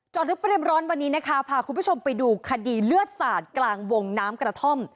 ลึกประเด็นร้อนวันนี้นะคะพาคุณผู้ชมไปดูคดีเลือดสาดกลางวงน้ำกระท่อม